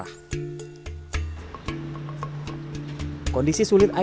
oh jadi ini lidah